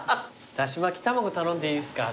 だし巻き玉子頼んでいいですか？